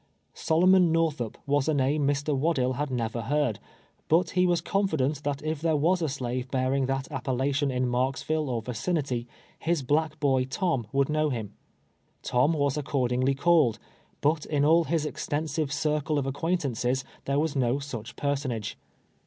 Solomon Northup was a name ^Iv. AVaddlll had never heard, but lie was confident that if there was a slave bearing that a])pellation in Marksville or vi cinity, his black boy Tom would know him. Tom was accordingly called, but in all his extensive cir cle of acquaintances there was no sudi personage.